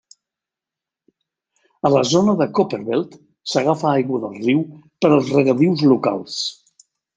A la zona de Copperbelt, s’agafa aigua del riu per als regadius locals.